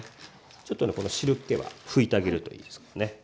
ちょっとこの汁けは拭いてあげるといいですね。